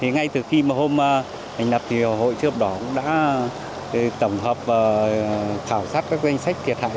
ngay từ khi hôm hành lập hội chia thập đỏ cũng đã tổng hợp khảo sát các danh sách thiệt hại